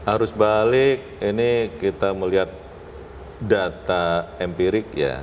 arus balik ini kita melihat data empirik ya